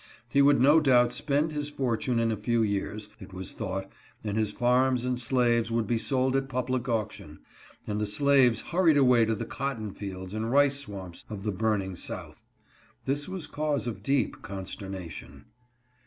He would no doubt spend his fortune in a few years, it was thought, and his farms and slaves would be sold at public auction, and the slaves hurried away to the cotton fields and rice swamps of the burning South. This was cause of deep consternation.